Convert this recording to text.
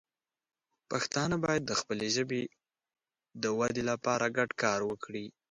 پښتانه باید د خپلې ژبې د وده لپاره ګډ کار وکړي.